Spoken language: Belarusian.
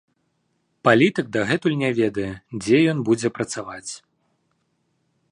Палітык дагэтуль не ведае, дзе ён будзе працаваць.